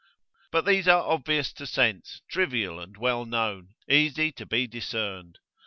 But these are obvious to sense, trivial and well known, easy to be discerned.